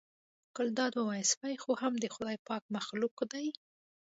ګلداد وویل سپی خو هم د خدای پاک مخلوق دی.